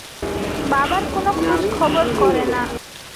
বাবার কোনো খোঁজখবর করে না।